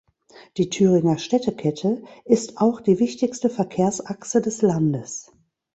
Die Thüringer Städtekette ist auch die wichtigste Verkehrsachse des Landes.